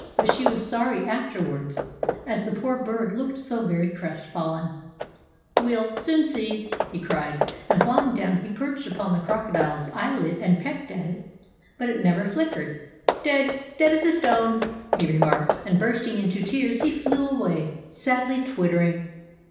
But she was sorry afterwards, as the poor Bird looked so very crestfallen. "We'll soon see!" he cried. And flying down, he perched upon the crocodile's eyelid and pecked at it. But it never flickered. "Dead! Dead as a stone!" he remarked. And bursting into tears, he flew away, sadly twittering.